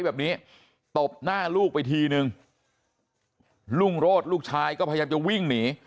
แบบนี้ตบหน้าลูกไปทีนึงลุงโรดลูกชายก็พยายามจะวิ่งหนี